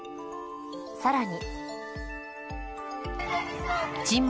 さらに。